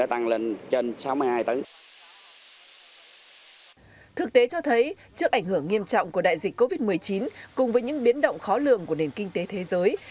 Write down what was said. thực tế cho thấy trước ảnh hưởng nghiêm trọng của đại dịch covid một mươi chín cùng với những biến động khó lường của nền kinh tế thế giới